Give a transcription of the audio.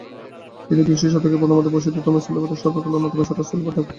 তিনি বিংশ শতকের প্রথমার্ধের প্রসিদ্ধতম সেলোবাদক এবং সর্বকালের অন্যতম সেরা সেলোবাদক।